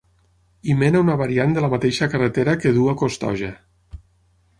Hi mena una variant de la mateixa carretera que duu a Costoja.